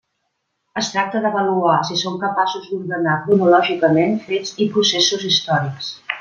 Es tracta d'avaluar si són capaços d'ordenar cronològicament fets i processos històrics.